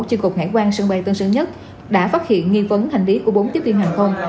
trên cục hải quan sân bay tân sơn nhất đã phát hiện nghi vấn hành lý của bốn tiếp viên hàng không